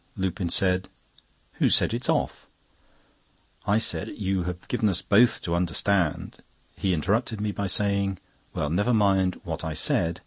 Lupin said: "Who said it is off?" I said: "You have given us both to understand—" He interrupted me by saying: "Well, never mind what I said.